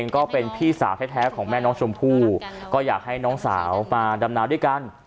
ก็เป็นพี่สาวแท้ของแม่น้องชมพู่ก็อยากให้น้องสาวมาดำนาด้วยกัน